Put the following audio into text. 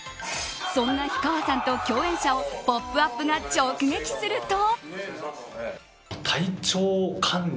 そんな氷川さんと共演者を「ポップＵＰ！」が直撃すると。